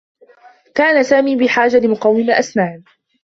كان سامي بحاجة لمقوّم أسنان.